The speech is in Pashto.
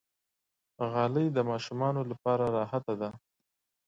غالۍ د ماشومانو لپاره راحته ده.